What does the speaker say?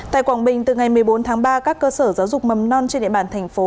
tại quảng bình từ ngày một mươi bốn tháng ba các cơ sở giáo dục mầm non trên địa bàn thành phố